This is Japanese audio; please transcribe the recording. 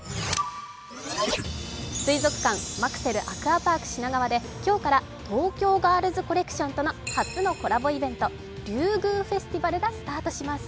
水族館マクセルアクアパーク品川で今日から東京ガールズコレクションとの初のコラボイベント、ＲＹＵＧＵＦＥＳＴＩＶＡＬがスタートします。